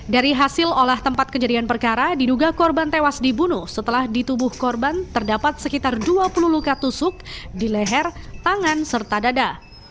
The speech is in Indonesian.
dari hasil olah tempat kejadian perkara diduga korban tewas dibunuh setelah di tubuh korban terdapat sekitar dua puluh luka tusuk di leher tangan serta dada